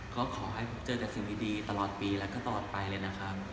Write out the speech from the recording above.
ก็ขอให้เจอแต่สิ่งดีตลอดปีแล้วก็ตลอดไปเลยนะครับ